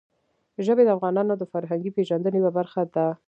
ژبې د افغانانو د فرهنګي پیژندنې یوه برخه ده.